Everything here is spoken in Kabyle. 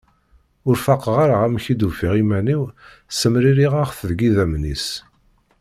Ur faqeɣ ara amek i d-ufiɣ iman-iw ssemririɣeɣ-t deg yidammen-is.